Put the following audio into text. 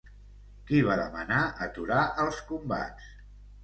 Qui va demanar aturar els combats?